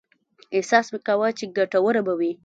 احساس مې کاوه چې ګټوره به وي.